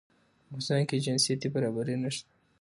په افغانستان کې جنسيتي برابري نشته